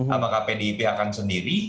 apakah pdip akan sendiri